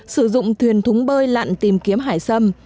sử dụng thuyền thúng bơi lặn tìm kiếm hải sâm